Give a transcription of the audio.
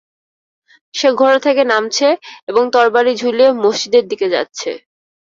সে ঘোড়া থেকে নামছে এবং তরবারী ঝুলিয়ে মসজিদের দিকে যাচ্ছে।